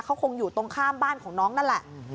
เขาคงอยู่ตรงข้ามบ้านของน้องนั่นแหละ